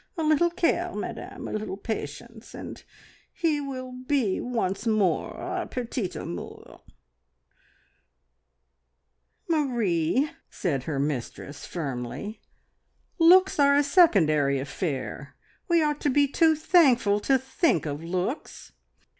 ... A little care, Madame, a little patience, and he will be once more our petit amour!" "Marie," said her mistress firmly, "looks are a secondary affair. We ought to be too thankful to think of looks!"